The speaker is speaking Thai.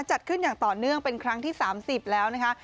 จัดขึ้นอย่างต่อเนื่องเป็นครั้งที่๓๐แล้วนะคะ